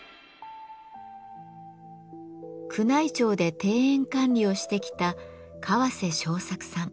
宮内庁で庭園管理をしてきた川瀬昇作さん。